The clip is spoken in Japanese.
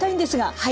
はい。